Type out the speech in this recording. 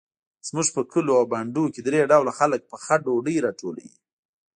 زموږ په کلیو او بانډو کې درې ډوله خلک پخه ډوډۍ راټولوي.